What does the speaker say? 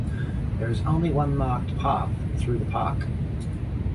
There is only one marked path through the park.